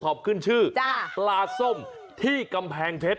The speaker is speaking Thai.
ขึ้นชื่อปลาส้มที่กำแพงเพชร